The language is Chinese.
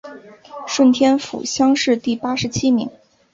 顺天府乡试第八十七名。